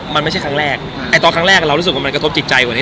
มันไม่ใช่ครั้งแรกไอ้ตอนครั้งแรกเรารู้สึกว่ามันกระทบจิตใจกว่านี้